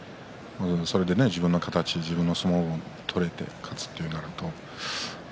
それで自分の形、自分の相撲を取ることができて勝つとなるとね。